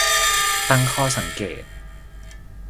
ตั้งข้อสังเกต